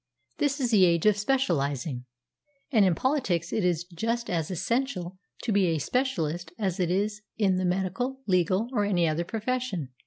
This is the age of specialising, and in politics it is just as essential to be a specialist as it is in the medical, legal, or any other profession.